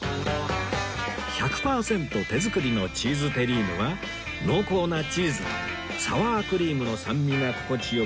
１００パーセント手作りのチーズテリーヌは濃厚なチーズとサワークリームの酸味が心地良く